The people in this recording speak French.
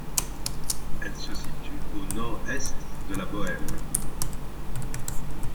Elle se situe au nord-est de la Bohême.